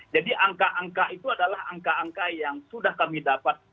jadi angka angka itu adalah angka angka yang sudah kami dapat